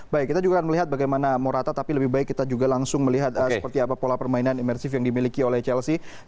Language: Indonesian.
baik kita juga akan melihat bagaimana morata tapi lebih baik kita juga langsung melihat seperti apa pola permainan imersif yang dimiliki oleh chelsea